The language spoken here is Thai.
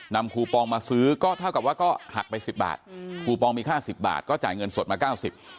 นำคูปองมาซื้อก็เท่ากับว่าก็หักไป๑๐บาทคูปองมีค่า๑๐บาทก็จ่ายเงินสดมา๙๐บาท